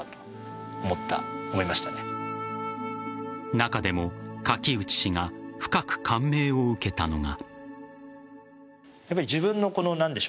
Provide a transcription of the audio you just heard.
中でも柿内氏が深く感銘を受けたのが。